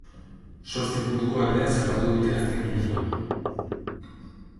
Zortzi puntuko aldea zabaldu dute azken minutuan.